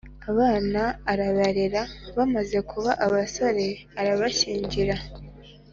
. Abana arabarera, bamaze kuba abasore arabashyingira.